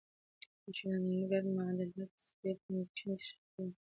د شروډنګر معادله د څپې فنکشن تشریح کوي.